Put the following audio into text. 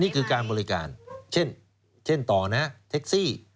นี่คือการบริการเช่นต่อนะแท็กซี่